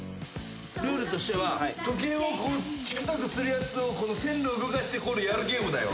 ルールとしては時計をチクタクするやつを線路動かしてやるゲームだよ。